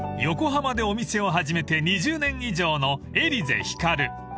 ［横浜でお店を始めて２０年以上のエリゼ光］